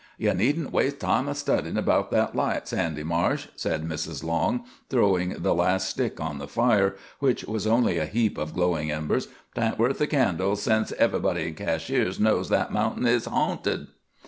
"Ye needn't waste time studyin' 'bout that light, Sandy Marsh," said Mrs. Long, throwing the last stick on the fire, which was only a heap of glowing embers. "'T ain't worth the candle, since everybody in Cashiers knows that mountain is harnted."